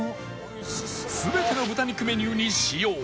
全ての豚肉メニューに使用